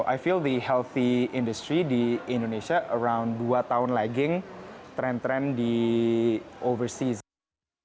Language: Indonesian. jadi saya merasa industri sehat di indonesia sekitar dua tahun lagi tren tren di luar negara